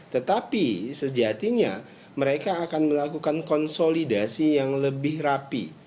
tetapi sejatinya mereka akan melakukan konsolidasi yang lebih rapi